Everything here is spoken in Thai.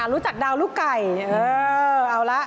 รู้จักดาวลูกไก่เอาละ